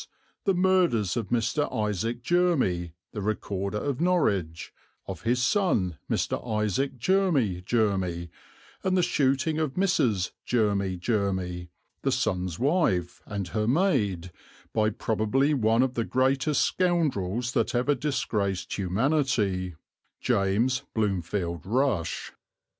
the murders of Mr. Isaac Jermy, the Recorder of Norwich, of his son Mr. Isaac Jermy Jermy, and the shooting of Mrs. Jermy Jermy, the son's wife, and her maid, by probably one of the greatest scoundrels that ever disgraced humanity, James Bloomfield Rush."